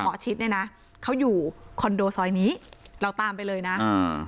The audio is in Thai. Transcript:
ชิดเนี่ยนะเขาอยู่คอนโดซอยนี้เราตามไปเลยนะอ่า